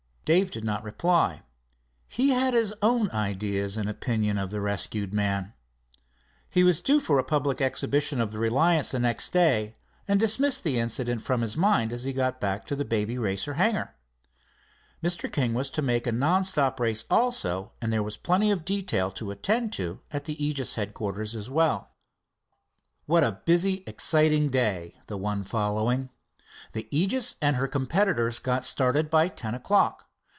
Dave did not reply. He had his own ideas and opinion of the rescued man. He was due for a public exhibition of the Reliance the next day, and dismissed the incident from his mind as he got back to the Baby Racer hangar. Mr. King was to make a non stop race also, and there was plenty of detail to attend to at the Aegis headquarters as well. That was a busy, exciting day, the one following. The Aegis and her competitors got started by ten o'clock.